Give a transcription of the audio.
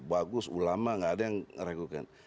bagus ulama gak ada yang ragukan